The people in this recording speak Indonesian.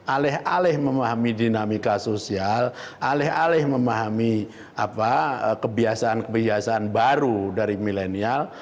aleh aleh memahami dinamika sosial aleh aleh memahami kebiasaan kebiasaan baru dari milenial